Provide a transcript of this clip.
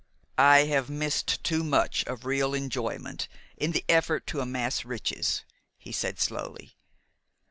"I have missed too much of real enjoyment in the effort to amass riches," he said slowly.